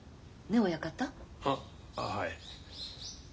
ああっはい。